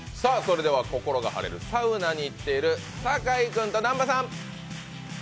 心が晴れるサウナに行っている酒井君と南波さん！